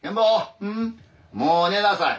「もう寝なさい！」